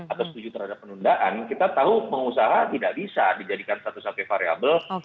atau setuju terhadap penundaan kita tahu pengusaha tidak bisa dijadikan satu satu variable